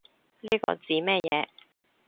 呢個指乜嘢